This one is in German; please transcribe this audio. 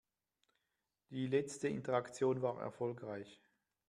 Die letzte Interaktion war erfolgreich.